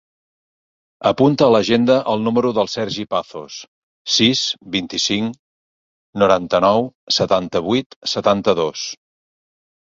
Apunta a l'agenda el número del Sergi Pazos: sis, vint-i-cinc, noranta-nou, setanta-vuit, setanta-dos.